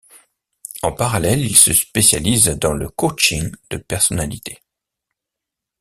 En parallèle, il se spécialise dans le coaching de personnalités.